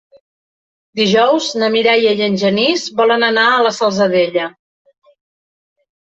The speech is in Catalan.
Dijous na Mireia i en Genís volen anar a la Salzadella.